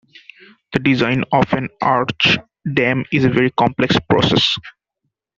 The design of an arch dam is a very complex process.